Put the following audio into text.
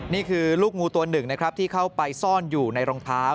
นี่คือลูกงูตัวหนึ่งนะครับที่เข้าไปซ่อนอยู่ในรองเท้า